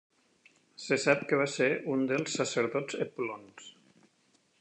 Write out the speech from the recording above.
Se sap que va ser un dels sacerdots epulons.